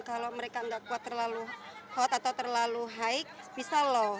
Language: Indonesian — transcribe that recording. kalau mereka nggak kuat terlalu hot atau terlalu high bisa loh